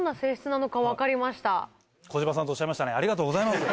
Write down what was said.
小島さんとおっしゃいましたねありがとうございます。